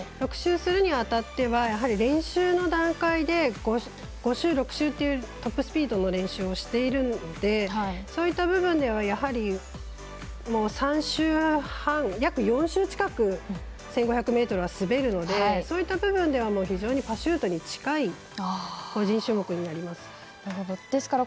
６周するにあたってはやはり練習の段階で５周、６周ってトップスピードの練習をしているのでそういった部分ではやはり３周半約４周近く１５００ｍは滑るのでそういった部分では非常にパシュートに近い個人種目になります。